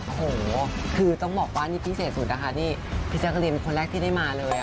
โอ้โหคือต้องบอกว่านี่พิเศษสุดนะคะนี่พี่แจ๊กรีนคนแรกที่ได้มาเลย